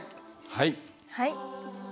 はい。